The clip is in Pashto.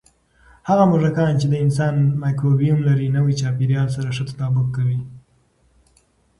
هغه موږکان چې د انسان مایکروبیوم لري، نوي چاپېریال سره ښه تطابق کوي.